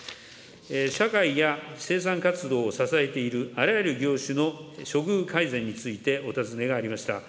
社会や生産活動を支えているあらゆる業種の処遇改善についてお尋ねがありました。